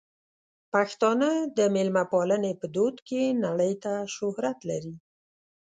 پښتانه د مېلمه پالنې په دود کې نړۍ ته شهرت لري.